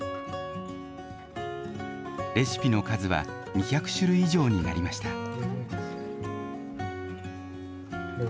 レシピの数は、２００種類以上になりました。